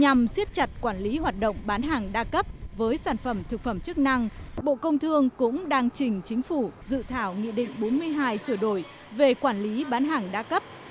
nhằm siết chặt quản lý hoạt động bán hàng đa cấp với sản phẩm thực phẩm chức năng bộ công thương cũng đang trình chính phủ dự thảo nghị định bốn mươi hai sửa đổi về quản lý bán hàng đa cấp